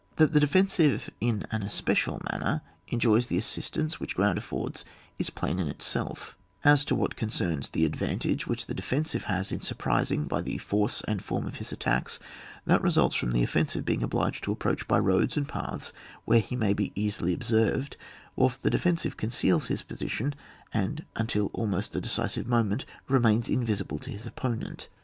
That the defensive in an especial man ner enjoys the assistance which g^und affords is plain in itself; as to what con cerns the advantage which the defensive has in surprising by the force and form of his attacks, that results from the offen sive being obliged to approach by roads and paths where he may be easily ob served, whilst the defensive conceals his position, and, until almost the decisive moment, remains invisible to his opponent.